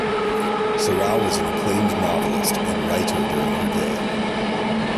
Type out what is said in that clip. Serao was an acclaimed novelist and writer during her day.